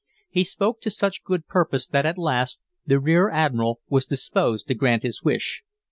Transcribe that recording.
He spoke to such good purpose that at last the rear admiral was disposed to grant his wish.